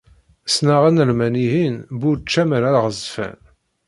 Ssneɣ Analman-ihin bu ucamar aɣezzfan.